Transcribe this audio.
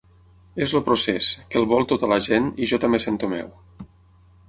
És el procés, que el vol tota la gent, i jo també sento meu.